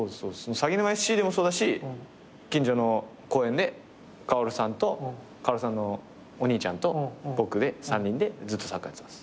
さぎぬまＳＣでもそうだし近所の公園で薫さんと薫さんのお兄ちゃんと僕で３人でずっとサッカーやってたんです。